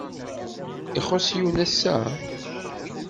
Ixuṣṣ yiwen ass-a?